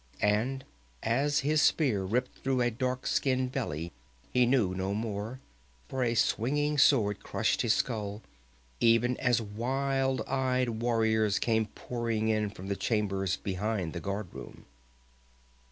And as his spearhead ripped through a dark skinned belly he knew no more, for a swinging sword crushed his skull, even as wild eyed warriors came pouring in from the chambers behind the guardroom.